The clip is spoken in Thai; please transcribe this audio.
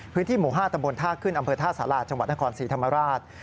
พื้นที่หมู่๕ตำบลท่าขึ้นอำเภอท่าสาราจังหวัดนครศรีธรรมราช